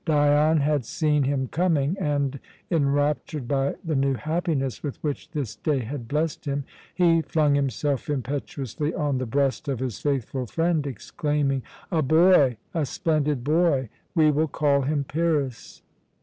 Dion had seen him coming and, enraptured by the new happiness with which this day had blessed him, he flung himself impetuously on the breast of his faithful friend, exclaiming: "A boy, a splendid boy! We will call him Pyrrhus."